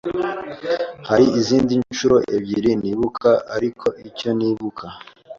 hari izindi ncuro ebyiri ntibuka ariko icyo nibuka